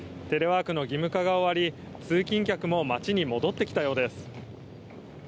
テレワークの義務化が終わり通勤客も街に戻ってきたようです。